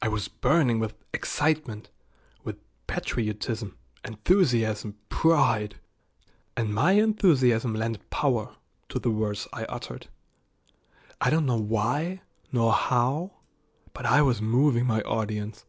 I was burning with excitement, with patriotism, enthusiasm, pride, and my enthusiasm lent power to the words I uttered. I don't know why nor how, but I was moving my audience.